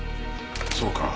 そうか。